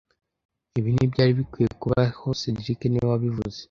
Ibi ntibyari bikwiye kubaho cedric niwe wabivuze